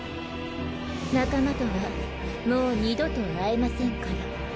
仲間とはもう二度と会えませんから。